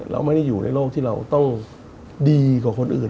เราไม่ได้อยู่ในโลกที่เราต้องดีกว่าคนอื่น